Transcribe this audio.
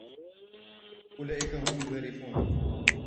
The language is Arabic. أولئك هم الوارثون